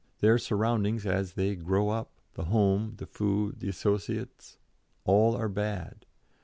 Their surroundings as they grow up, the home, the food, the associates, all are bad.